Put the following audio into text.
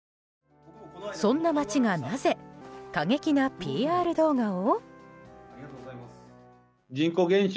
そんな町がなぜ、過激なＰＲ動画を？